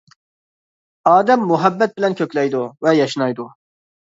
-ئادەم مۇھەببەت بىلەن كۆكلەيدۇ ۋە ياشنايدۇ.